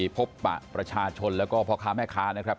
ปะประชาชนแล้วก็พ่อค้าแม่ค้านะครับ